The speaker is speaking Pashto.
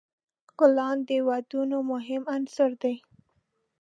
ګلان د ودونو مهم عنصر دی.